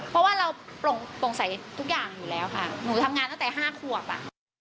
เพราะว่าเราโปร่งใสทุกอย่างอยู่แล้วค่ะหนูทำงานตั้งแต่๕ขวบอ่ะ